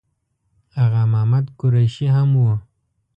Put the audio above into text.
آغا محمد قریشي هم و.